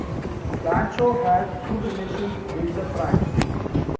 Wacho had good relations with the Franks.